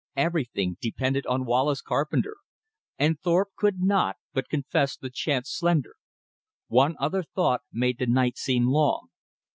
Everything depended on Wallace Carpenter; and Thorpe could not but confess the chance slender. One other thought made the night seem long.